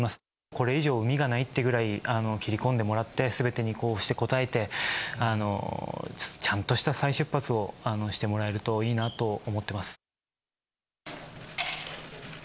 これ以上、うみがないっていうぐらい切り込んでもらって、すべてにこうして答えて、ちゃんとした再出発をしてもらえるといいなと思ってます。